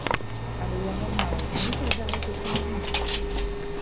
Але я не знаю, вініць іх за гэта ці не вініць.